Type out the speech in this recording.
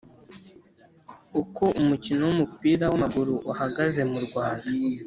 Uko umukino wumupira wamaguru uhagaze mu Rwanda.